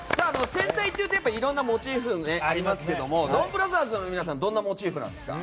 戦隊というといろんなモチーフがありますけどドンブラザーズの皆さんはどんなモチーフなんですか？